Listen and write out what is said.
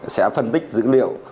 sẽ phân tích dữ liệu